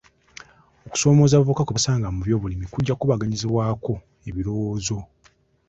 Okusoomooza abavubuka kwe basanga mu by'obulimi kujja kkubaganyizibwako ebirowoozo.